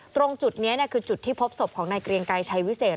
ตรงจุดนี้คือจุดที่พบศพของนายเกรียงไกรชัยวิเศษ